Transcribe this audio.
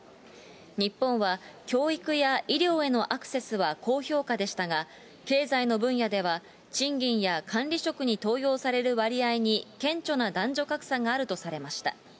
日本は教育や医療へのアクセスは高評価でしたが、経済の分野では賃金や管理職に登用される割合に顕著な男女格差があるとされました。